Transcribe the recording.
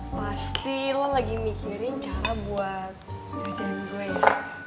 pasti lo lagi mikirin cara buat ngerjain gue ya